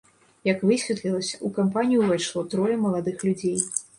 Як высветлілася, у кампанію ўвайшло трое маладых людзей.